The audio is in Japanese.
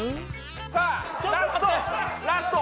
さあラスト！